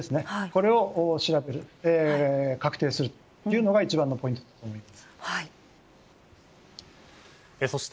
これを調べる、確定するのが一番のポイントとなると思います。